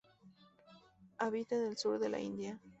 Habita en el Sur de la India.